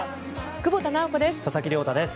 久保田直子です。